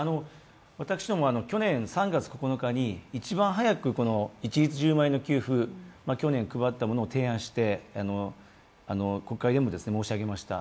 去年３月９日に、一番早く一律１０万円の給付去年配ったものを提案して国会でも申し上げました。